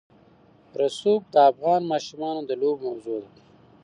رسوب د افغان ماشومانو د لوبو موضوع ده.